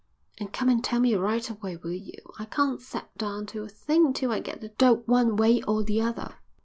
"And come and tell me right away, will you? I can't set down to a thing till I get the dope one way or the other."